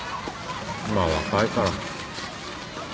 まあ若いから。